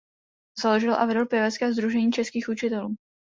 Založil a vedl Pěvecké sdružení českých učitelů.